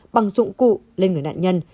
bằng dụng cụ lên người nạn nhân